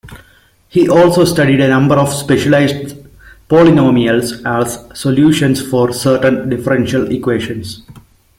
He also studied a number of specialised polynomials as solutions for certain differential equations.